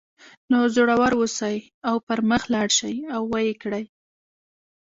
نو زړور اوسئ او پر مخ لاړ شئ او ویې کړئ